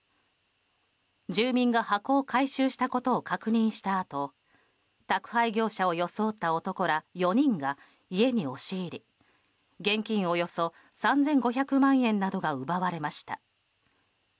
住民が箱を回収したことを確認したあと宅配業者を装った男ら４人が家に押し入り現金およそ３５００万円などが奪われました。